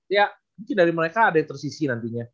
ya mungkin dari mereka ada yang tersisi nantinya